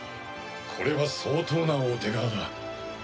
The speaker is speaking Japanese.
これは相当なお手柄だ。